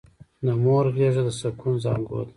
د مور غېږه د سکون زانګو ده!